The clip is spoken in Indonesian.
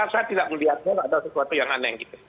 biasa tidak melihatnya ada sesuatu yang aneh